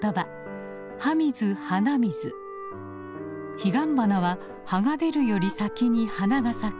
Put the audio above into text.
ヒガンバナは葉が出るより先に花が咲く